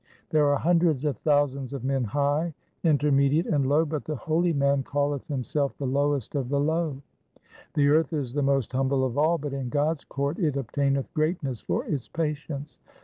There are hundreds of thousands of men high, intermediate, and low, but the holy man calleth himself the lowest of the low. 4 The earth is the most humble of all, but in God's court it obtaineth greatness for its patience.